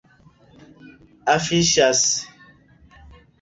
afiŝas